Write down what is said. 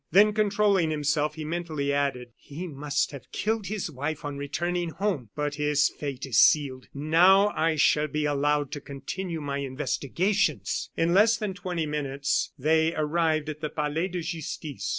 Then, controlling himself, he mentally added: "He must have killed his wife on returning home, but his fate is sealed. Now, I shall be allowed to continue my investigations." In less than twenty minutes they arrived at the Palais de Justice.